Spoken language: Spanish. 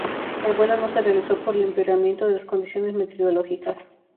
El vuelo no se realizó por el empeoramiento de las condiciones meteorológicas.